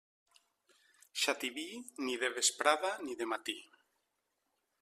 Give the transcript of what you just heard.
Xativí, ni de vesprada ni de matí.